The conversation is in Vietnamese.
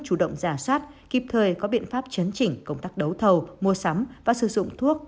chủ động giả soát kịp thời có biện pháp chấn chỉnh công tác đấu thầu mua sắm và sử dụng thuốc